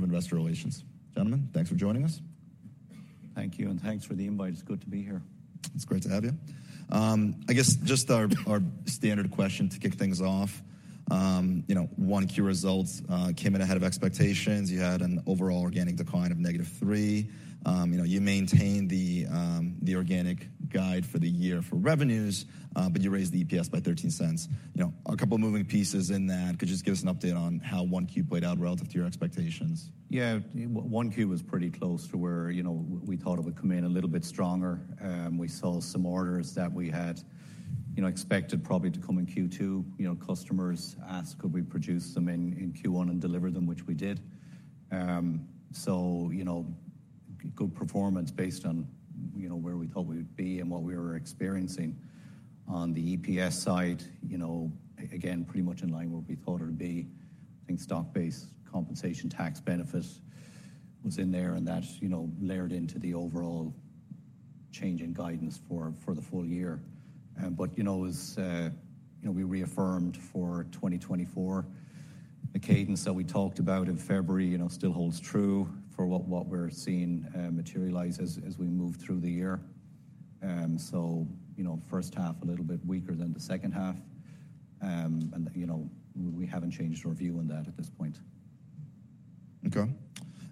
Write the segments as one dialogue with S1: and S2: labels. S1: Head of Investor Relations. Gentlemen, thanks for joining us.
S2: Thank you, and thanks for the invite. It's good to be here.
S1: It's great to have you. I guess just our standard question to kick things off. You know, 1Q results came in ahead of expectations. You had an overall organic decline of -3. You know, you maintained the organic guide for the year for revenues, but you raised the EPS by $0.13. You know, a couple moving pieces in that. Could you just give us an update on how 1Q played out relative to your expectations?
S2: Yeah. 1Q was pretty close to where, you know, we thought it would come in, a little bit stronger. We saw some orders that we had, you know, expected probably to come in Q2. You know, customers asked could we produce them in Q1 and deliver them, which we did. So, you know, good performance based on, you know, where we thought we would be and what we were experiencing. On the EPS side, you know, again, pretty much in line what we thought it would be. I think stock-based compensation tax benefit was in there, and that, you know, layered into the overall change in guidance for the full year. But you know, as you know, we reaffirmed for 2024, the cadence that we talked about in February, you know, still holds true for what we're seeing materialize as we move through the year. So, you know, first half a little bit weaker than the second half. And, you know, we haven't changed our view on that at this point.
S1: Okay.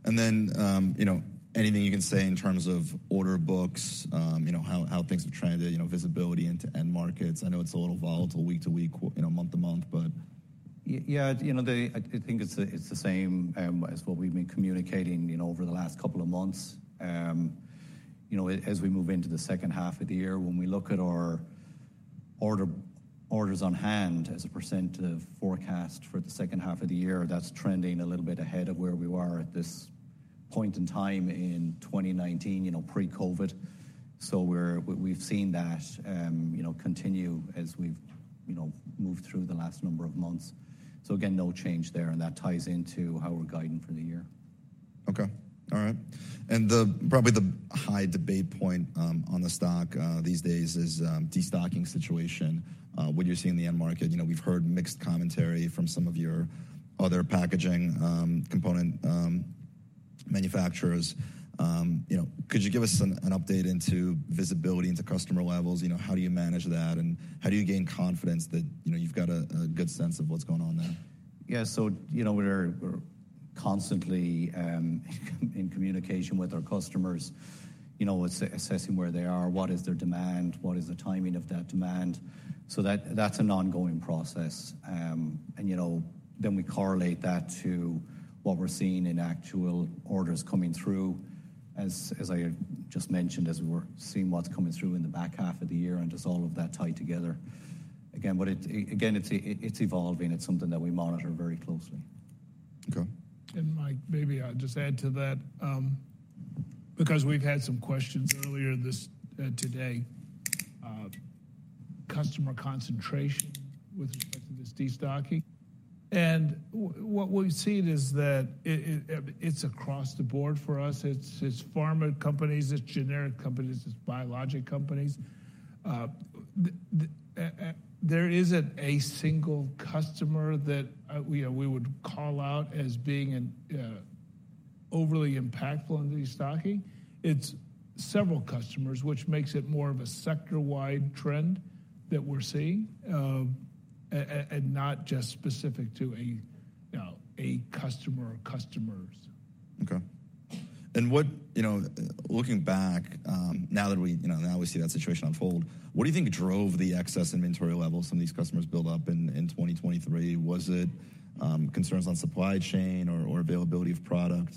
S1: And then, you know, anything you can say in terms of order books, you know, how things are trending, you know, visibility into end markets? I know it's a little volatile week to week, you know, month to month, but-
S2: Yeah, you know, I think it's the same as what we've been communicating, you know, over the last couple of months. You know, as we move into the second half of the year, when we look at our orders on hand as a % of forecast for the second half of the year, that's trending a little bit ahead of where we were at this point in time in 2019, you know, pre-COVID. So we've seen that, you know, continue as we've, you know, moved through the last number of months. So again, no change there, and that ties into how we're guiding for the year.
S1: Okay. All right. And the probably the high debate point on the stock these days is destocking situation, what you're seeing in the end market. You know, we've heard mixed commentary from some of your other packaging component manufacturers. You know, could you give us an update into visibility into customer levels? You know, how do you manage that, and how do you gain confidence that, you know, you've got a good sense of what's going on there?
S2: Yeah, so, you know, we're constantly in communication with our customers. You know, assessing where they are, what is their demand, what is the timing of that demand? So that's an ongoing process. And, you know, then we correlate that to what we're seeing in actual orders coming through. As I just mentioned, as we're seeing what's coming through in the back half of the year and just all of that tied together. Again, it's evolving. It's something that we monitor very closely.
S1: Okay.
S3: And Mike, maybe I'll just add to that, because we've had some questions earlier today, customer concentration with respect to this destocking. What we've seen is that it's across the board for us. It's pharma companies, it's generic companies, it's biologic companies. There isn't a single customer that we would call out as being an overly impactful in destocking. It's several customers, which makes it more of a sector-wide trend that we're seeing, and not just specific to a, you know, a customer or customers.
S1: Okay. And what... You know, looking back, now that we, you know, now we see that situation unfold, what do you think drove the excess inventory levels some of these customers built up in 2023? Was it, concerns on supply chain or availability of product?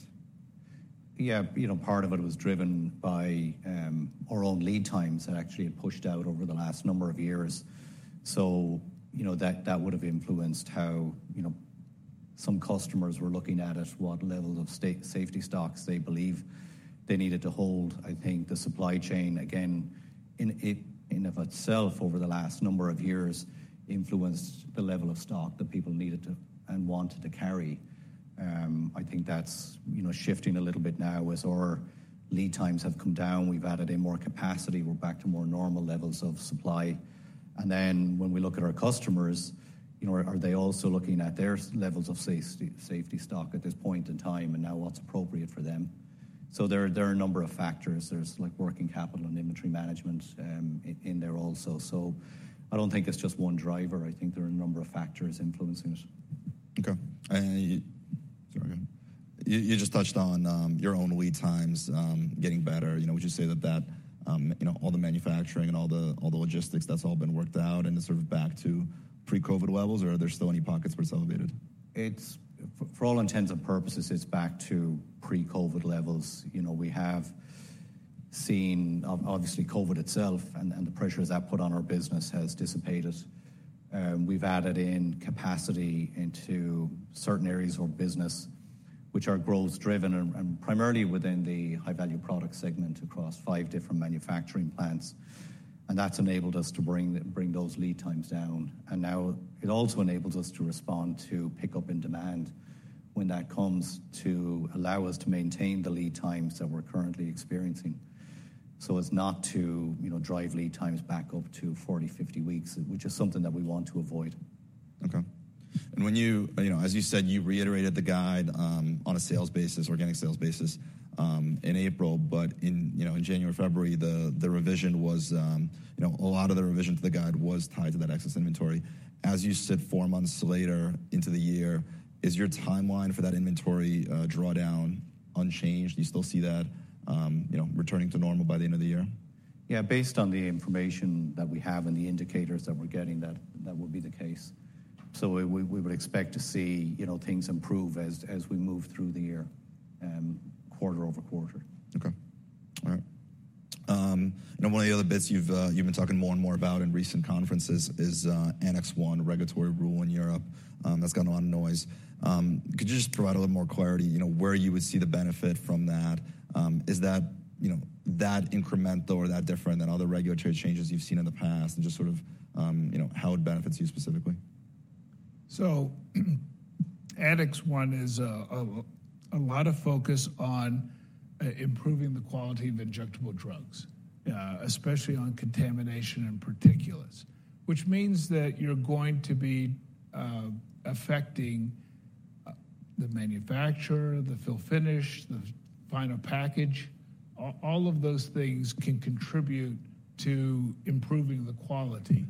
S2: Yeah, you know, part of it was driven by our own lead times that actually had pushed out over the last number of years. So, you know, that would have influenced how, you know, some customers were looking at what level of safety stocks they believe they needed to hold. I think the supply chain, again, in and of itself, over the last number of years, influenced the level of stock that people needed to and wanted to carry. I think that's, you know, shifting a little bit now as our lead times have come down. We've added in more capacity. We're back to more normal levels of supply. And then when we look at our customers, you know, are they also looking at their levels of safety stock at this point in time, and now what's appropriate for them? So there are a number of factors. There's like working capital and inventory management in there also. So I don't think it's just one driver. I think there are a number of factors influencing it.
S1: Okay, and you go ahead. You just touched on your own lead times getting better. You know, would you say that you know, all the manufacturing and all the logistics, that's all been worked out and is sort of back to pre-COVID levels, or are there still any pockets where it's elevated?
S2: It's for all intents and purposes, it's back to pre-COVID levels. You know, we have seen obviously COVID itself, and the pressures that put on our business has dissipated. We've added in capacity into certain areas of business, which are growth driven and primarily within the high-value product segment across five different manufacturing plants. And that's enabled us to bring those lead times down, and now it also enables us to respond to pick up in demand when that comes to allow us to maintain the lead times that we're currently experiencing. So as not to, you know, drive lead times back up to 40, 50 weeks, which is something that we want to avoid.
S1: Okay. And when you, you know, as you said, you reiterated the guide on a sales basis, organic sales basis, in April, but in, you know, in January, February, the revision was, you know, a lot of the revision to the guide was tied to that excess inventory. As you sit four months later into the year, is your timeline for that inventory drawdown unchanged? Do you still see that, you know, returning to normal by the end of the year?
S2: Yeah, based on the information that we have and the indicators that we're getting, that would be the case. So we would expect to see, you know, things improve as we move through the year, quarter over quarter.
S1: Okay. All right. And one of the other bits you've, you've been talking more and more about in recent conferences is, Annex 1, regulatory rule in Europe. That's got a lot of noise. Could you just provide a little more clarity, you know, where you would see the benefit from that? Is that, you know, that incremental or that different than other regulatory changes you've seen in the past, and just sort of, you know, how it benefits you specifically?
S3: So Annex 1 is a lot of focus on improving the quality of injectable drugs, especially on contamination and particulates. Which means that you're going to be affecting the manufacturer, the fill-finish, the final package. All of those things can contribute to improving the quality.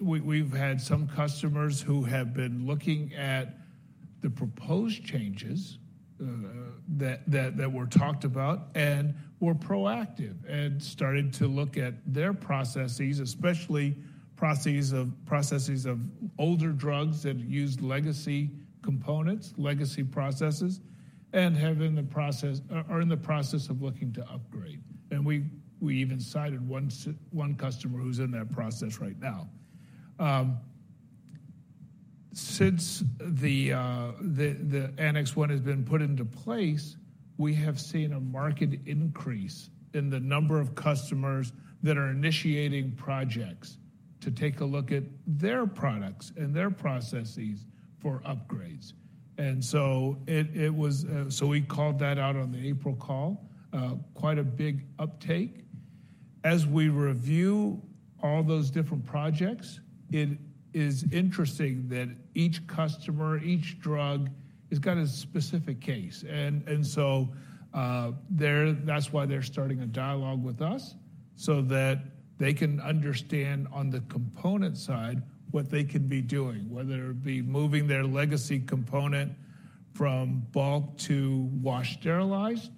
S3: We've had some customers who have been looking at the proposed changes that were talked about and were proactive and started to look at their processes, especially processes of older drugs that have used legacy components, legacy processes, and are in the process of looking to upgrade. And we even cited one customer who's in that process right now. Since the Annex I has been put into place, we have seen a marked increase in the number of customers that are initiating projects to take a look at their products and their processes for upgrades. And so it was. So we called that out on the April call, quite a big uptake. As we review all those different projects, it is interesting that each customer, each drug, has got a specific case. And so, they're, that's why they're starting a dialogue with us, so that they can understand on the component side what they could be doing. Whether it be moving their legacy component from bulk to washed sterilized,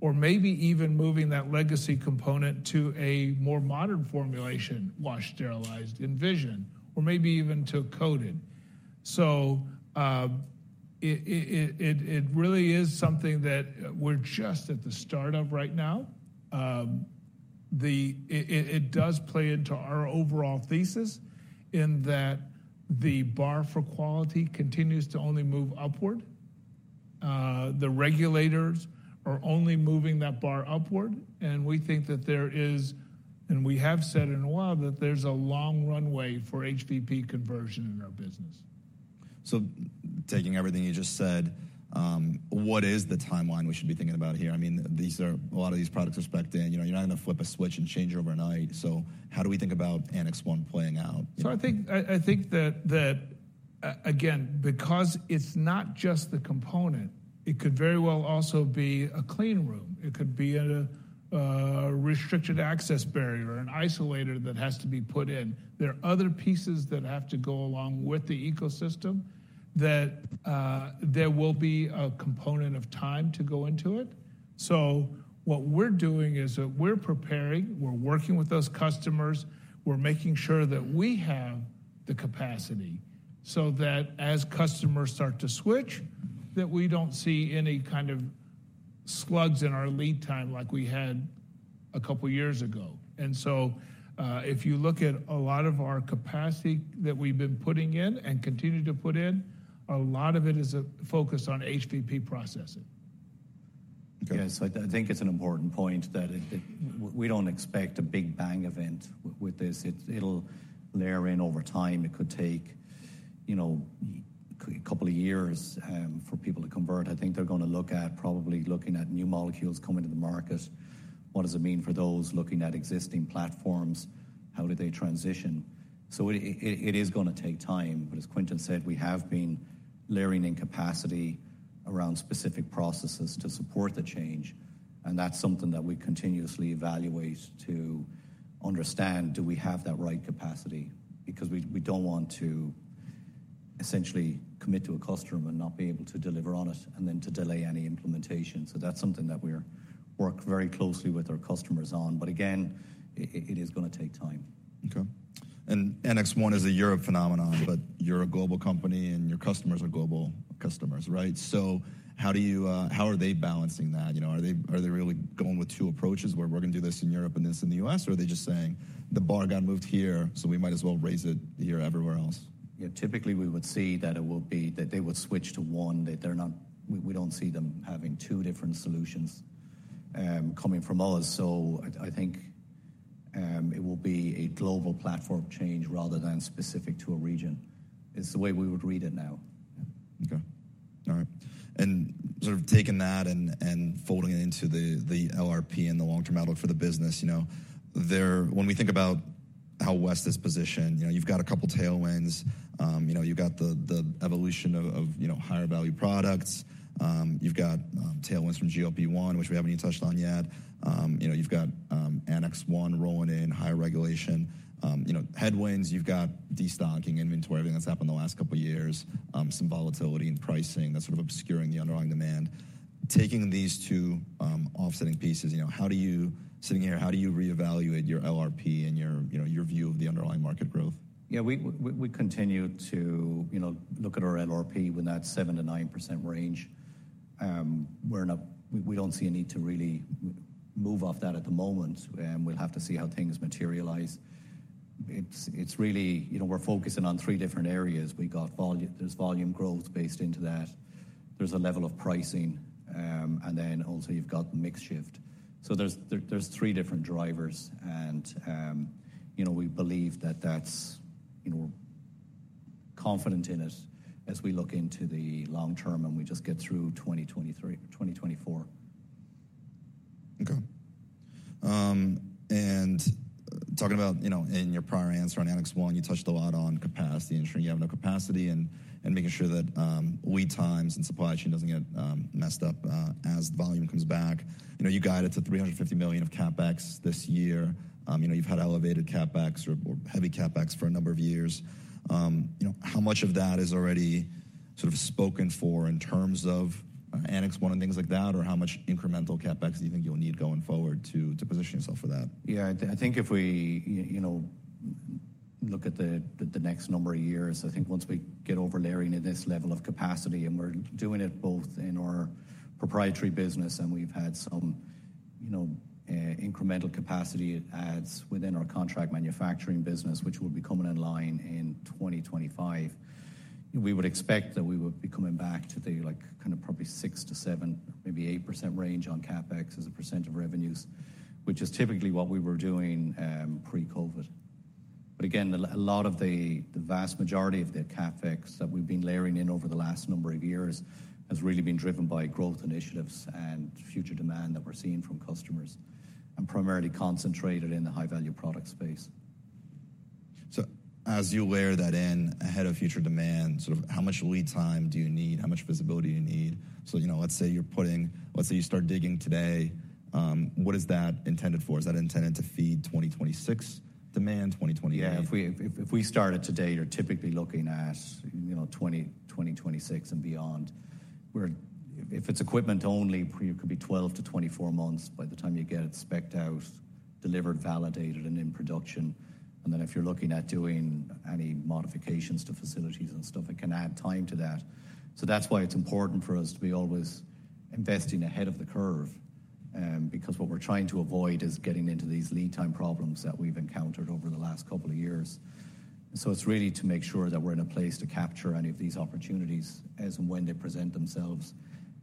S3: or maybe even moving that legacy component to a more modern formulation, washed, sterilized, Envisioned, or maybe even to coated. So, it really is something that we're just at the start of right now. It does play into our overall thesis in that the bar for quality continues to only move upward. The regulators are only moving that bar upward, and we think that there is, and we have said it a while, that there's a long runway for HVP conversion in our business.
S1: So taking everything you just said, what is the timeline we should be thinking about here? I mean, these are a lot of these products are spec'd in. You're not gonna flip a switch and change overnight. So how do we think about Annex I playing out?
S3: So I think that again, because it's not just the component, it could very well also be a clean room. It could be a Restricted Access Barrier, an isolator that has to be put in. There are other pieces that have to go along with the ecosystem, that there will be a component of time to go into it. So what we're doing is that we're preparing, we're working with those customers, we're making sure that we have the capacity, so that as customers start to switch, that we don't see any kind of slugs in our lead time like we had a couple years ago. And so, if you look at a lot of our capacity that we've been putting in and continue to put in, a lot of it is focused on HVP processing.
S2: Yes, I think it's an important point that, we don't expect a big bang event with this. It's, it'll layer in over time. It could take, you know, a couple of years, for people to convert. I think they're gonna look at, probably looking at new molecules coming to the market. What does it mean for those looking at existing platforms? How do they transition? So it is gonna take time. But as Quintin said, we have been layering in capacity around specific processes to support the change, and that's something that we continuously evaluate to understand, do we have that right capacity? Because we don't want to essentially commit to a customer and not be able to deliver on it, and then to delay any implementation. So that's something that we work very closely with our customers on. But again, it is gonna take time.
S1: Okay. And Annex 1 is a Europe phenomenon, but you're a global company and your customers are global customers, right? So how do you, how are they balancing that? You know, are they, are they really going with two approaches, where we're gonna do this in Europe and this in the US? Or are they just saying, "The bar got moved here, so we might as well raise it here everywhere else?
S2: Yeah, typically, we would see that they would switch to one, that they're not—we don't see them having two different solutions coming from us. So I think it will be a global platform change rather than specific to a region. It's the way we would read it now.
S1: Okay. All right. And sort of taking that and folding it into the LRP and the long-term outlook for the business, you know, there—when we think about how West is positioned, you know, you've got a couple tailwinds. You know, you've got the evolution of you know, higher value products. You've got tailwinds from GLP-1, which we haven't even touched on yet. You know, you've got Annex I rolling in, higher regulation. You know, headwinds, you've got destocking inventory, everything that's happened in the last couple of years, some volatility in pricing that's sort of obscuring the underlying demand. Taking these two offsetting pieces, you know, how do you, sitting here, how do you reevaluate your LRP and your, you know, your view of the underlying market growth?
S2: Yeah, we continue to, you know, look at our LRP within that 7%-9% range. We're not-- We don't see a need to really move off that at the moment, and we'll have to see how things materialize. It's really... You know, we're focusing on three different areas. We got volume-- There's volume growth based into that. There's a level of pricing, and then also you've got mix shift. So there's three different drivers and, you know, we believe that that's confident in it as we look into the long term and we just get through 2023, 2024.
S1: Okay. And talking about, you know, in your prior answer on Annex I, you touched a lot on capacity, ensuring you have enough capacity and making sure that lead times and supply chain doesn't get messed up as volume comes back. You know, you guided to $350 million of CapEx this year. You know, you've had elevated CapEx or heavy CapEx for a number of years. You know, how much of that is already sort of spoken for in terms of Annex I and things like that, or how much incremental CapEx do you think you'll need going forward to position yourself for that?
S2: Yeah, I think if we, you know, look at the next number of years, I think once we get over layering in this level of capacity, and we're doing it both in our proprietary business and we've had some, you know, incremental capacity adds within our contract manufacturing business, which will be coming online in 2025. We would expect that we would be coming back to the, like, kind of probably 6%-7%, maybe 8% range on CapEx as a % of revenues, which is typically what we were doing pre-COVID. But again, a lot of the vast majority of the CapEx that we've been layering in over the last number of years has really been driven by growth initiatives and future demand that we're seeing from customers, and primarily concentrated in the high-value product space.
S1: So as you layer that in ahead of future demand, sort of how much lead time do you need? How much visibility do you need? So, you know, let's say you're putting, let's say you start digging today, what is that intended for? Is that intended to feed 2026 demand, 2028?
S2: Yeah, if we start it today, you're typically looking at, you know, 2026 and beyond, where if it's equipment only, it could be 12-24 months by the time you get it spec'd out, delivered, validated, and in production. And then if you're looking at doing any modifications to facilities and stuff, it can add time to that. So that's why it's important for us to be always investing ahead of the curve, because what we're trying to avoid is getting into these lead time problems that we've encountered over the last couple of years. So it's really to make sure that we're in a place to capture any of these opportunities as and when they present themselves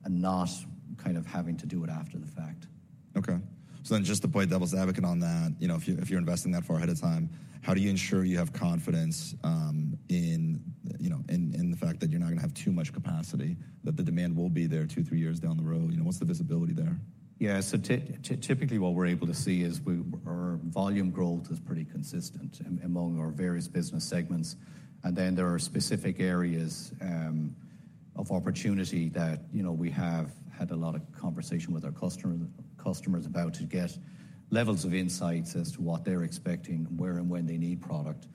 S2: and not kind of having to do it after the fact.
S1: Okay. So then just to play devil's advocate on that, you know, if you're investing that far ahead of time, how do you ensure you have confidence in, you know, in the fact that you're not gonna have too much capacity, that the demand will be there two, three years down the road? You know, what's the visibility there?
S2: Yeah, so typically, what we're able to see is we, our volume growth is pretty consistent among our various business segments. And then there are specific areas of opportunity that, you know, we have had a lot of conversation with our customer, customers about to get levels of insights as to what they're expecting, where and when they need product,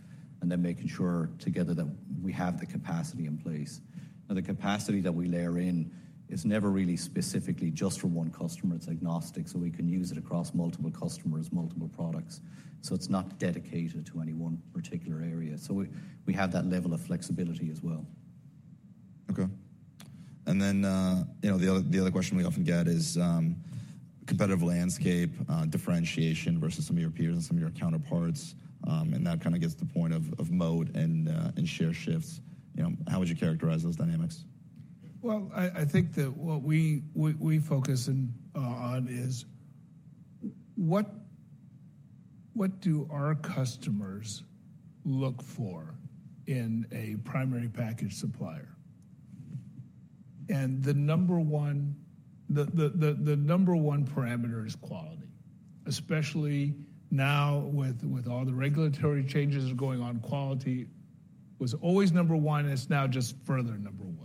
S2: and then making sure together that we have the capacity in place. Now, the capacity that we layer in is never really specifically just for one customer. It's agnostic, so we can use it across multiple customers, multiple products, so it's not dedicated to any one particular area. So we have that level of flexibility as well.
S1: Okay. Then, you know, the other question we often get is, competitive landscape, differentiation versus some of your peers and some of your counterparts, and that kind of gets to the point of moat and share shifts. You know, how would you characterize those dynamics?
S3: Well, I think that what we focusing on is what do our customers look for in a primary package supplier? And the number one parameter is quality, especially now with all the regulatory changes going on. Quality was always number one, and it's now just further number one.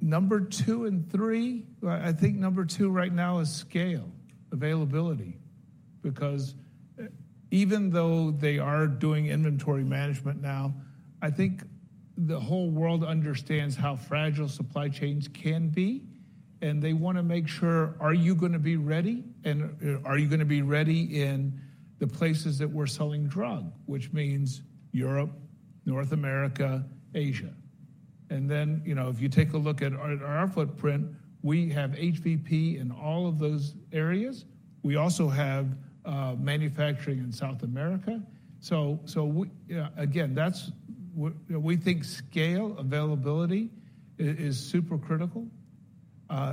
S3: Number two and three, I think number two right now is scale, availability, because even though they are doing inventory management now, I think the whole world understands how fragile supply chains can be, and they wanna make sure, are you gonna be ready, and are you gonna be ready in the places that we're selling drug, which means Europe, North America, Asia. And then, you know, if you take a look at our footprint, we have HVP in all of those areas. We also have manufacturing in South America. So we... We think scale, availability, is super critical.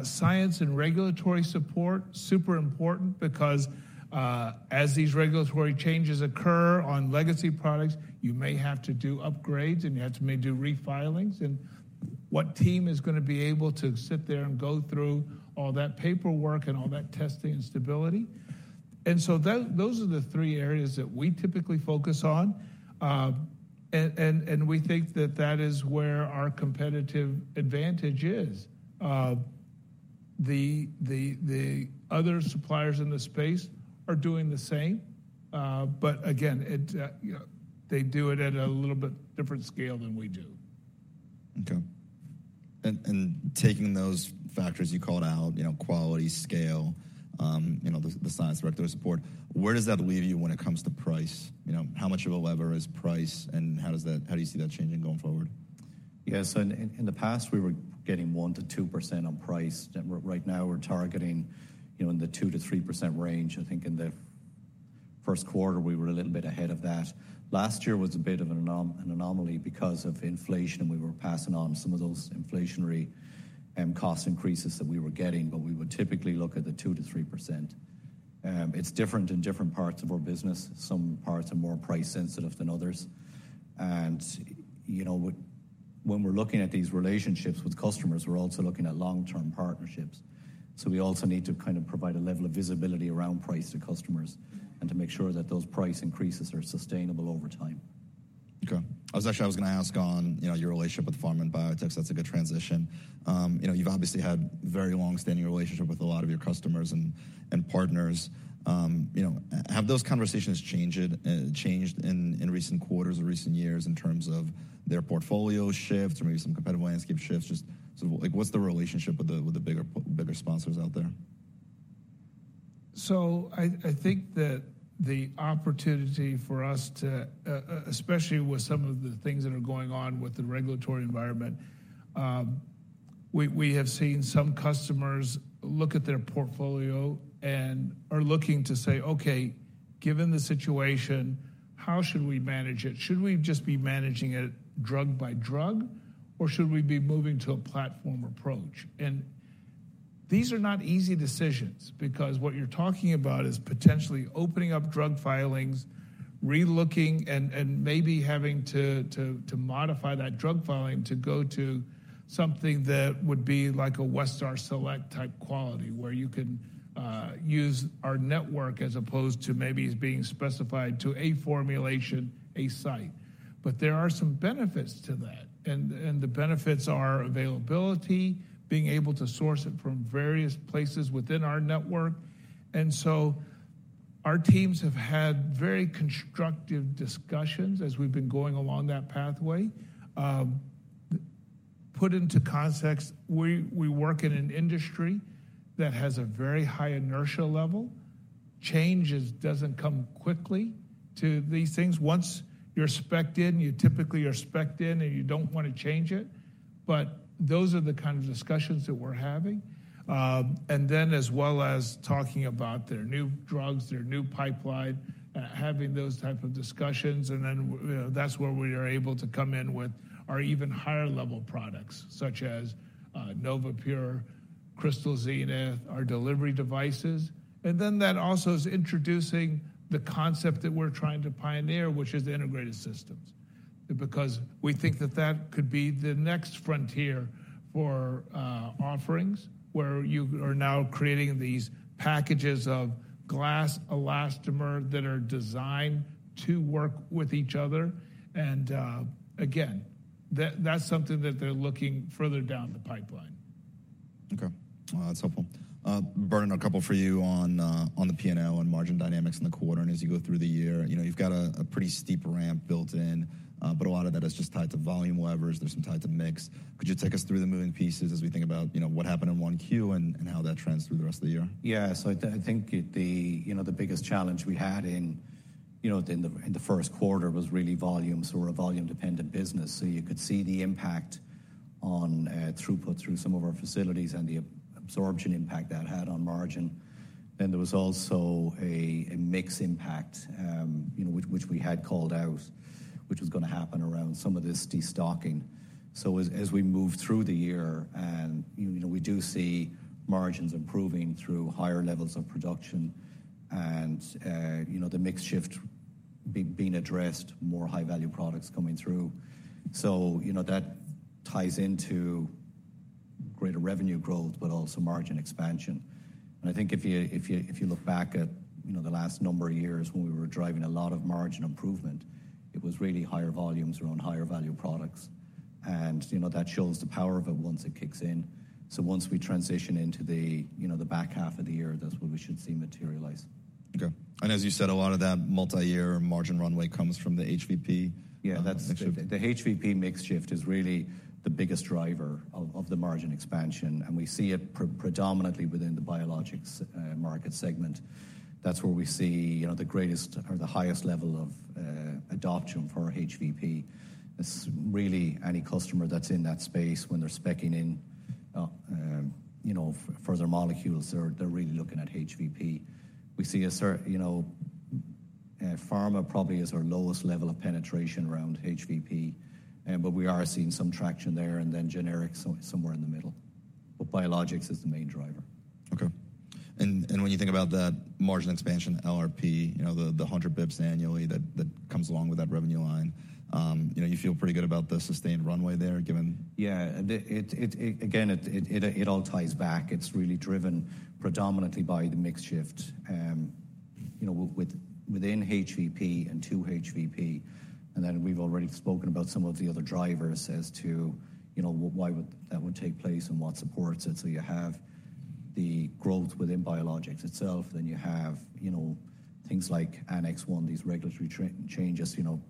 S3: Science and regulatory support, super important because as these regulatory changes occur on legacy products, you may have to do upgrades, and you may have to do refilings. And what team is going to be able to sit there and go through all that paperwork and all that testing and stability? And so those are the three areas that we typically focus on. And we think that that is where our competitive advantage is. The other suppliers in the space are doing the same, but again, you know, they do it at a little bit different scale than we do.
S1: Okay. And taking those factors you called out, you know, quality, scale, you know, the science regulatory support, where does that leave you when it comes to price? You know, how much of a lever is price, and how does that - how do you see that changing going forward?
S2: Yeah, so in the past, we were getting 1%-2% on price. Right now, we're targeting, you know, in the 2%-3% range. I think in the first quarter, we were a little bit ahead of that. Last year was a bit of an anomaly because of inflation, we were passing on some of those inflationary cost increases that we were getting, but we would typically look at the 2%-3%. It's different in different parts of our business. Some parts are more price-sensitive than others. And, you know, when we're looking at these relationships with customers, we're also looking at long-term partnerships. So we also need to kind of provide a level of visibility around price to customers and to make sure that those price increases are sustainable over time.
S1: Okay. I was actually going to ask on, you know, your relationship with pharma and biotechs. That's a good transition. You know, you've obviously had very long-standing relationship with a lot of your customers and partners. You know, have those conversations changed in recent quarters or recent years in terms of their portfolio shifts or maybe some competitive landscape shifts? Just, like, what's the relationship with the bigger sponsors out there?
S3: So I think that the opportunity for us to, especially with some of the things that are going on with the regulatory environment, we have seen some customers look at their portfolio and are looking to say, "Okay, given the situation, how should we manage it? Should we just be managing it drug by drug, or should we be moving to a platform approach?" And these are not easy decisions because what you're talking about is potentially opening up drug filings, relooking, and maybe having to modify that drug filing to go to something that would be like a Westar Select type quality, where you can use our network as opposed to maybe it's being specified to a formulation, a site. But there are some benefits to that, and the benefits are availability, being able to source it from various places within our network. And so our teams have had very constructive discussions as we've been going along that pathway. Put into context, we work in an industry that has a very high inertia level. Change doesn't come quickly to these things. Once you're specced in, you typically are specced in, and you don't want to change it. But those are the kind of discussions that we're having. And then as well as talking about their new drugs, their new pipeline, having those type of discussions, and then, that's where we are able to come in with our even higher-level products, such as NovaPure, Crystal Zenith, our delivery devices. And then that also is introducing the concept that we're trying to pioneer, which is the integrated systems. Because we think that that could be the next frontier for offerings, where you are now creating these packages of glass elastomer that are designed to work with each other. And again, that's something that they're looking further down the pipeline.
S1: Okay. That's helpful. Bernard, a couple for you on the P&L and margin dynamics in the quarter and as you go through the year. You know, you've got a pretty steep ramp built in, but a lot of that is just tied to volume levers, there's some tied to mix. Could you take us through the moving pieces as we think about, you know, what happened in 1Q and how that trends through the rest of the year?
S2: Yeah. So I think the biggest challenge we had in, you know, in the first quarter was really volume. So we're a volume-dependent business, so you could see the impact on throughput through some of our facilities and the absorption impact that had on margin. Then there was also a mix impact, you know, which we had called out, which was going to happen around some of this destocking. So as we move through the year and, you know, we do see margins improving through higher levels of production and, you know, the mix shift being addressed, more High-Value Products coming through. So, you know, that ties into greater revenue growth, but also margin expansion. I think if you look back at, you know, the last number of years when we were driving a lot of margin improvement, it was really higher volumes around higher-value products. You know, that shows the power of it once it kicks in. So once we transition into the, you know, the back half of the year, that's when we should see materialize.
S1: Okay. And as you said, a lot of that multi-year margin runway comes from the HVP?
S2: Yeah, that's-
S1: Mix shift.
S2: The HVP mix shift is really the biggest driver of the margin expansion, and we see it predominantly within the biologics market segment. That's where we see, you know, the greatest or the highest level of adoption for HVP. It's really any customer that's in that space when they're speccing in, you know, for their molecules, they're really looking at HVP. We see a certain, you know, pharma probably is our lowest level of penetration around HVP, but we are seeing some traction there, and then generics somewhere in the middle, but biologics is the main driver.
S1: Okay. And when you think about that margin expansion, LRP, you know, the 100 basis points annually that comes along with that revenue line, you know, you feel pretty good about the sustained runway there, given-
S2: Yeah, again, it all ties back. It's really driven predominantly by the mix shift, you know, within HVP and to HVP. And then we've already spoken about some of the other drivers as to, you know, why that would take place and what supports it. So you have the growth within biologics itself, then you have, you know, things like Annex 1, these regulatory changes, you know,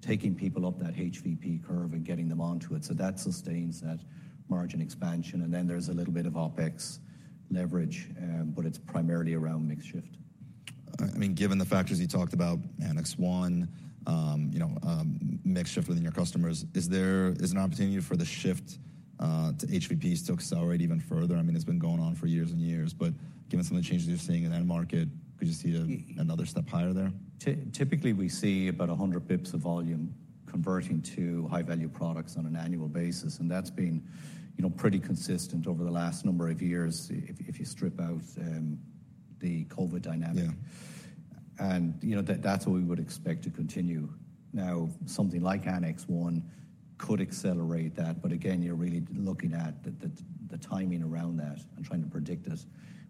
S2: taking people up that HVP curve and getting them onto it. So that sustains that margin expansion, and then there's a little bit of OpEx leverage, but it's primarily around mix shift.
S1: I mean, given the factors you talked about, Annex 1, you know, mix shift within your customers, is there an opportunity for the shift to HVPs to accelerate even further? I mean, it's been going on for years and years, but given some of the changes you're seeing in that market, could you see another step higher there?
S2: Typically, we see about 100 bips of volume converting to high-value products on an annual basis, and that's been, you know, pretty consistent over the last number of years if you strip out the COVID dynamic.
S1: Yeah.
S2: You know, that's what we would expect to continue. Now, something like Annex 1 could accelerate that, but again, you're really looking at the timing around that and trying to predict it,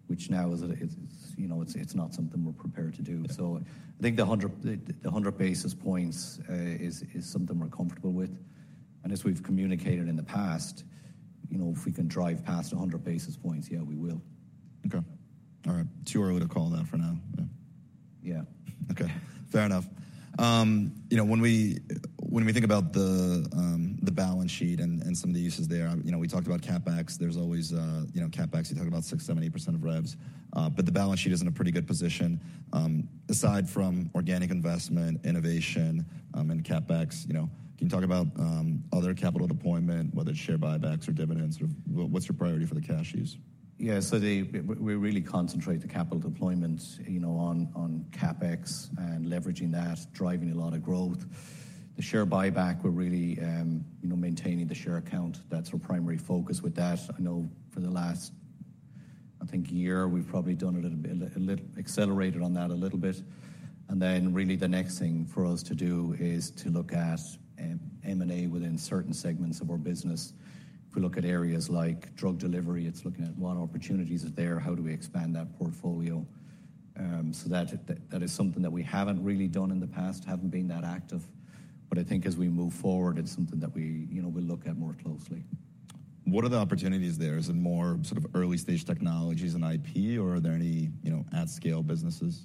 S2: which now is, you know, it's not something we're prepared to do.
S1: Yeah.
S2: So I think the 100 basis points is something we're comfortable with. And as we've communicated in the past, you know, if we can drive past 100 basis points, yeah, we will.
S1: Okay. All right. It's too early to call that for now?
S2: Yeah.
S1: Okay, fair enough. You know, when we think about the balance sheet and some of the uses there, you know, we talked about CapEx. There's always, you know, CapEx, you talk about 6%-8% of revs, but the balance sheet is in a pretty good position. Aside from organic investment, innovation, and CapEx, you know, can you talk about other capital deployment, whether it's share buybacks or dividends or what's your priority for the cash use?
S2: Yeah, so we really concentrate the capital deployment, you know, on CapEx and leveraging that, driving a lot of growth. The share buyback, we're really, you know, maintaining the share count. That's our primary focus with that. I know for the last, I think, year, we've probably done a little bit, accelerated on that a little bit. And then, really, the next thing for us to do is to look at M&A within certain segments of our business. If we look at areas like drug delivery, it's looking at what opportunities are there, how do we expand that portfolio? So that, that is something that we haven't really done in the past, haven't been that active, but I think as we move forward, it's something that we, you know, will look at more closely.
S1: What are the opportunities there? Is it more sort of early-stage technologies and IP, or are there any, you know, at-scale businesses?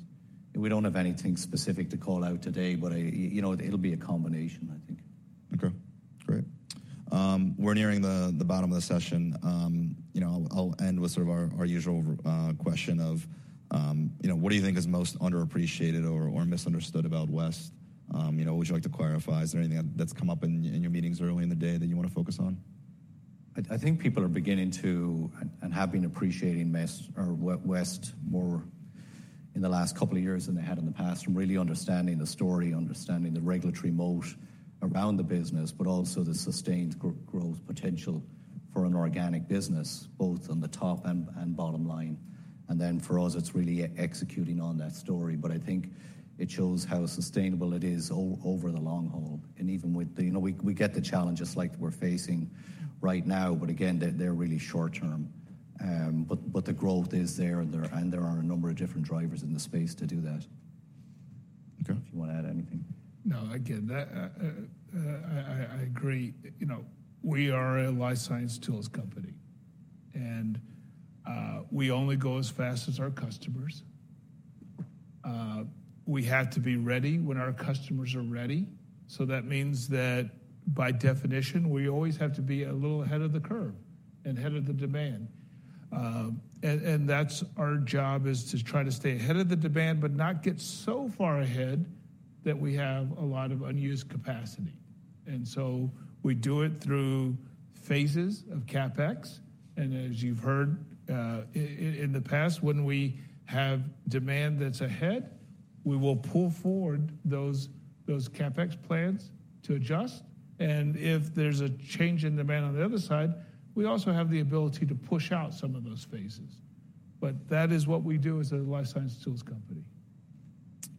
S2: We don't have anything specific to call out today, but I, you know, it'll be a combination, I think.
S1: Okay, great. We're nearing the bottom of the session. You know, I'll end with sort of our usual question of, you know, what do you think is most underappreciated or misunderstood about West? You know, would you like to clarify? Is there anything that's come up in your meetings early in the day that you want to focus on?
S2: I think people are beginning to and have been appreciating us or West more in the last couple of years than they had in the past, and really understanding the story, understanding the regulatory moat around the business, but also the sustained growth potential for an organic business, both on the top and bottom line. And then for us, it's really executing on that story. But I think it shows how sustainable it is over the long haul. And even with the you know, we get the challenges like we're facing right now, but again, they're really short term. But the growth is there, and there are a number of different drivers in the space to do that.
S1: Okay.
S2: If you want to add anything.
S3: No, again, I agree. You know, we are a life science tools company, and we only go as fast as our customers. We have to be ready when our customers are ready, so that means that by definition, we always have to be a little ahead of the curve and ahead of the demand. And that's our job is to try to stay ahead of the demand, but not get so far ahead that we have a lot of unused capacity. And so we do it through phases of CapEx, and as you've heard, in the past, when we have demand that's ahead, we will pull forward those CapEx plans to adjust. And if there's a change in demand on the other side, we also have the ability to push out some of those phases. But that is what we do as a life science tools company.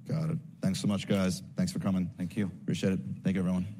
S1: Got it. Thanks so much, guys. Thanks for coming.
S2: Thank you.
S1: Appreciate it. Thank you, everyone.